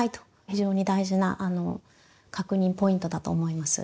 非常に大事な確認ポイントだと思います。